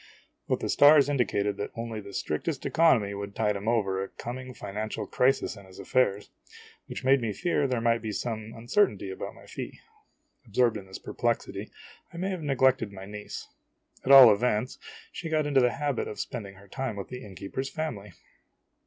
But the stars indicated that only the strictest economy would tide him over a coming financial o crisis in his affairs which made me fear there might be some uncertainty about my fee. Absorbed in this perplexity, I may have neglected my niece ; at all events, she got into the habit of spending her time with the innkeeper's family.